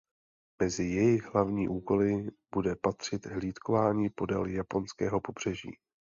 Mezi jejich hlavní úkoly bude patřit hlídkování podél japonského pobřeží.